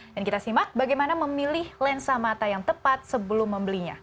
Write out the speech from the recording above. dan kita simak bagaimana memilih lensa mata yang tepat sebelum membelinya